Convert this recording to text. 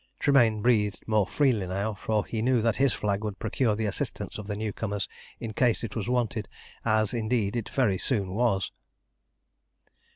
Tremayne breathed more freely now, for he knew that his flag would procure the assistance of the new comer in case it was wanted, as indeed it very soon was.